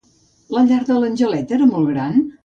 La llar de l'Angeleta era molt gran?